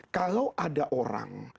kalau ada orang